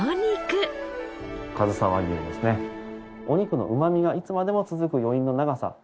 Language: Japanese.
お肉のうま味がいつまでも続く余韻の長さ。